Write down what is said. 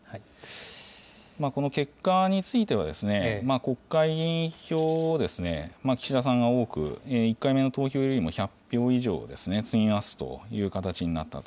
この結果については、国会議員票を岸田さんが多く、１回目の投票よりも１００票以上積み増すという形になったと。